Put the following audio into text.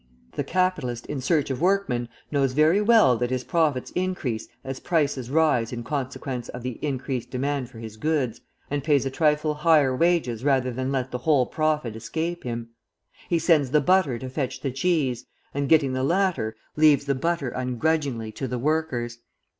The capitalist in search of workmen knows very well that his profits increase as prices rise in consequence of the increased demand for his goods, and pays a trifle higher wages rather than let the whole profit escape him. He sends the butter to fetch the cheese, and getting the latter, leaves the butter ungrudgingly to the workers.